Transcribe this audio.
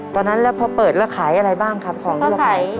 ตอนนั้นพอเปิดแล้วขายอะไรบ้างครับของผู้ที่ถ้วยฝ่าย